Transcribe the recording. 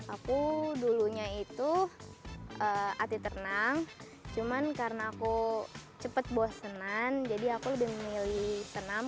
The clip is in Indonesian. aku dulunya itu ati ternang cuman karena aku cepat bos senam jadi aku lebih memilih senam